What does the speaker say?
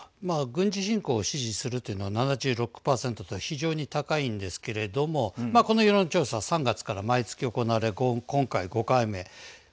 軍事侵攻を支持するというのは７６％と非常に高いですけれどもこの世論調査３月から毎月行われ今回５回目。